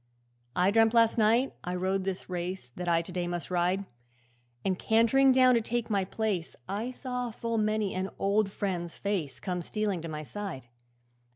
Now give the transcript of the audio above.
'I dreamt last night I rode this race That I to day must ride, And cant'ring down to take my place I saw full many an old friend's face Come stealing to my side.